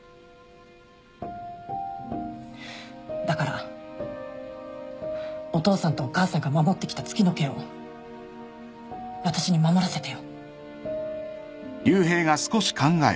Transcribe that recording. だからお父さんとお母さんが守ってきた月乃家を私に守らせてよ。